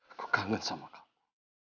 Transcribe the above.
aku kangen sama kamu